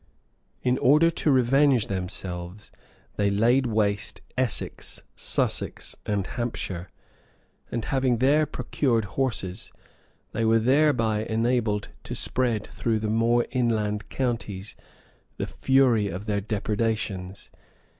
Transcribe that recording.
In order to revenge themselves, they laid waste Essex, Sussex, and Hampshire; and having there procured horses, they were thereby enabled to spread through the more inland counties the fury of their depredations.